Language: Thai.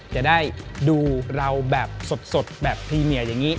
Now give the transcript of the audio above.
จะได้ดูเราแบบสดแบบพรีเมียอย่างนี้